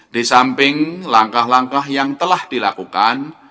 di samping langkah langkah yang telah dilakukan